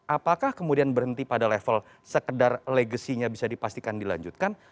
apakah kemudian berhenti pada level sekedar legasinya bisa dipastikan dilanjutkan